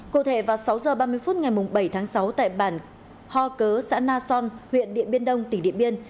cụ thể vào sáu h ba mươi phút ngày bảy tháng sáu tại bản ho cớ xã na son huyện điện biên đông tỉnh điện biên